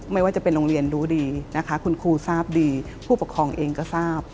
ไม่ว่าจะเป็นโรงเรียนรู้ดีนะคะคุณครูทราบดีผู้ปกครองเองก็ทราบ